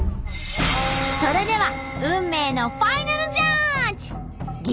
それでは運命のファイナルジャッジ！